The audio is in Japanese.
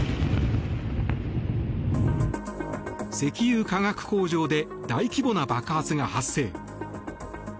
石油化学工場で大規模な爆発が発生。